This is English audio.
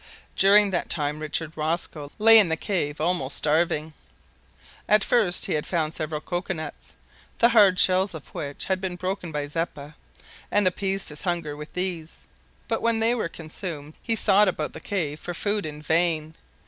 During that time Richard Rosco lay in the cave almost starving. At first he had found several cocoa nuts, the hard shells of which had been broken by Zeppa, and appeased his hunger with these, but when they were consumed, he sought about the cave for food in vain.